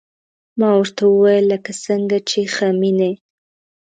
ما ورته وويل لکه څنګه چې خميني.